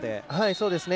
そうですね。